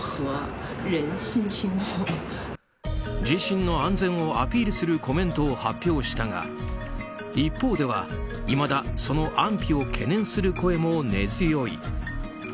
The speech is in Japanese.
自身の安全をアピールするコメントを発表したが一方では、いまだその安否を懸念する声も根強い。